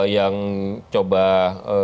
yang coba menjadi